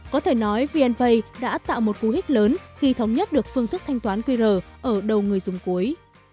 có thể nói vnpay đã tạo một cú hích lớn khi thống nhất được phương thức thanh toán qr ở đầu người dùng cuối